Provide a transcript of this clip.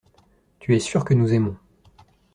Tu es sûr que nous aimons.